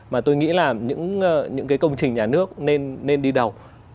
mà tôi nghĩ là những cái công trình nhà nước nên đi đầu